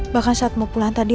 bahkan saat mau pulang tadi